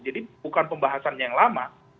jadi bukan pembahasan yang lama